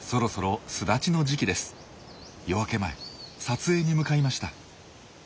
夜明け前撮影に向かいました。